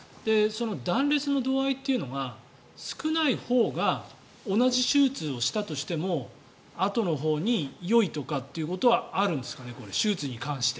断裂の度合いというのは少ないほうが同じ手術をしたとしてもあとのほうによいということはあるんですかね、手術に関して。